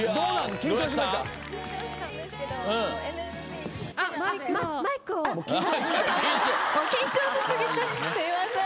すいません。